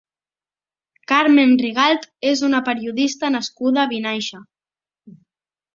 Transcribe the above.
Carmen Rigalt és una periodista nascuda a Vinaixa.